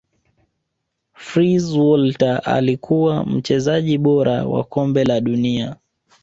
fritz walter alikuwa mchezaji bora wa kombe la dunia